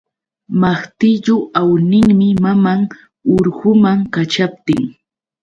Maqtillu awninmi maman urguman kaćhaptin.